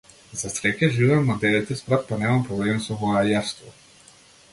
За среќа, живеам на деветти спрат, па немам проблеми со воајерство.